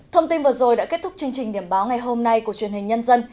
thông tin vừa rồi đã kết thúc chương trình điểm báo ngày hôm nay của truyền hình nhân dân